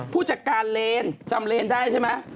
พูดจากการเรนจำเรนได้ใช่ไหม